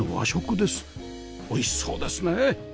おいしそうですねえ